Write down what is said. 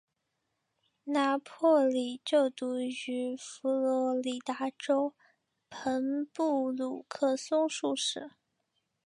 拿坡里就读于佛罗里达州朋布鲁克松树市。